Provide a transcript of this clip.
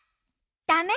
ダメ！